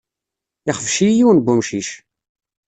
Yexbec-iyi yiwen n wemcic.